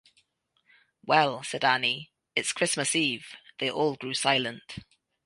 “Well,” said Annie, “it’s Christmas Eve.” They all grew silent.